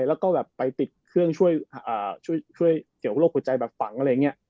แล้วก็แบบไปติดเครื่องช่วยเกี่ยวกับโรคหัวใจแบบฝังอะไรอย่างนี้